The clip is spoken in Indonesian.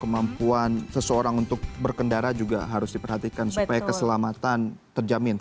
kemampuan seseorang untuk berkendara juga harus diperhatikan supaya keselamatan terjamin